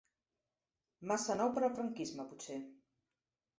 Massa nou per al franquisme, potser.